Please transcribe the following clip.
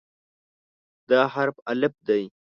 دا حرف "الف" دی.